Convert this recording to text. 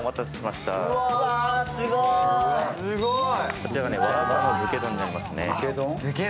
こちらがワラサの漬丼になりますね。